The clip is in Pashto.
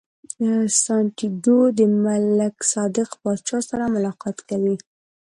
سانتیاګو د ملک صادق پاچا سره ملاقات کوي.